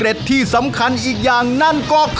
อร่อยเชียบแน่นอนครับอร่อยเชียบแน่นอนครับ